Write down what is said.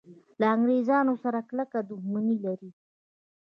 له انګریزانو سره کلکه دښمني لري.